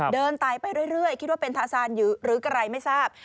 เดินตายไปเรื่อยคิดว่าเป็นทาซานหรือกระไรไม่ทราบ